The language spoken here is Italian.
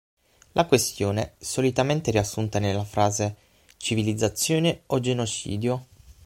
La questione, solitamente riassunta nella frase "Civilizzazione o genocidio?